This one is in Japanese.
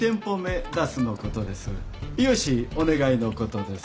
融資お願いのことです。